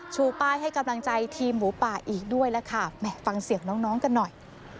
ชูป้ายให้กำลังใจทีมหมูป่าอีกด้วยล่ะค่ะฟังเสียงน้องน้องกันหน่อย